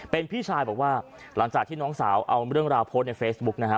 เป็นพี่ชายบอกว่าหลังจากที่น้องสาวเอาเรื่องราวโพสต์ในเฟซบุ๊กนะฮะ